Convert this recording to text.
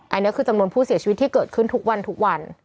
อันนี้คือจำนวนผู้เสียชีวิตที่เกิดขึ้นทุกวันทุกวัน